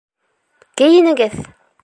Кейенегеҙ!